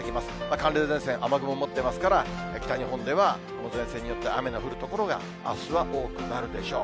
寒冷前線、雨雲持ってますから、北日本ではこの前線によって雨の降る所があすは多くなるでしょう。